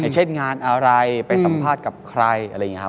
เช่นงานอะไรไปสัมภาษณ์กับใครอะไรอย่างนี้ครับ